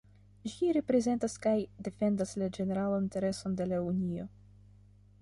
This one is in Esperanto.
Ĝi reprezentas kaj defendas la ĝeneralan intereson de la Unio.